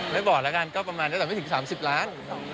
ไม่บอกแล้วกันก็ประมาณตั้งแต่ไม่ถึง๓๐ล้าน